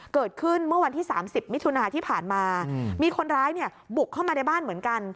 เกิดขึ้นเมื่อวันที่๓๐มิถุนาที่ผ่านมามีคนร้ายเนี่ยบุกเข้ามาในบ้านเหมือนกัน